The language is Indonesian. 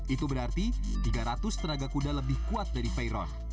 itu berarti tiga ratus tenaga kuda lebih kuat dari veyron